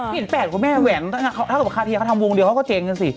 เห็นแฟนกับแม่แหวนถ้าเกิดคาเทียงเขาทำวงเดียวเขาก็เจนกันสิ